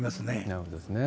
なるほどですね。